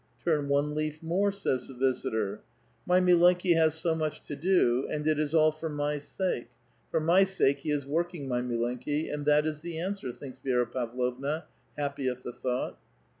"" Turn one leaf more," savs the visitor. " My milenki has so much to do, and it is all for my sake ; for my sake he is working, my milenki; — and that is the answer," thinks Vi^ra Pavlovna, happy at the thought.